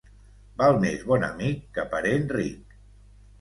Val més bon amic que parent ric.